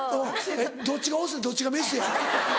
えっどっちがオスでどっちがメスや？